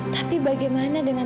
tapi bagaimana dengan